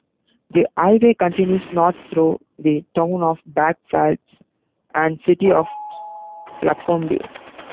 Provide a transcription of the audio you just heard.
The highway continues north through the town of Blackfalds and city of Lacombe.